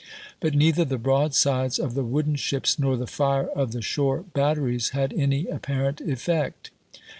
But neither the broadsides of the wooden ships, nor the fire of the shore batteries, had any apparent effect.